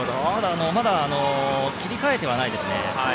まだ切り替えてはないですね。